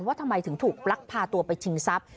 ว่าทำไมถึงถูกลักพาตัวไปชิงทรัพย์